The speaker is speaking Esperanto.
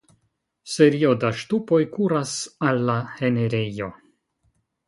Serio da ŝtupoj kuras al la enirejo.